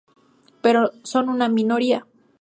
Pero son una minoría.